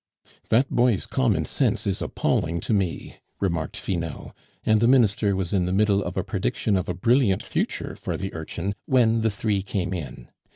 "That boy's common sense is appalling to me," remarked Finot; and the Minister was in the middle of a prediction of a brilliant future for the urchin, when the three came in.